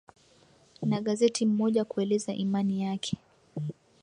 na gazeti mmoja kueleza imani yake